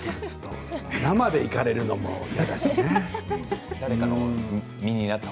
生でいかれるのも嫌だしね。